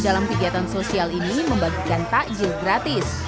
dalam kegiatan sosial ini membagikan takjil gratis